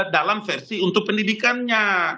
dalam versi untuk pendidikannya